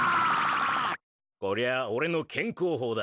こりゃ俺の健康法だ。